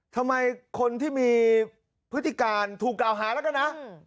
ทำไมคนที่มีพฤติการถูกกล่าวหาแล้วก็นะ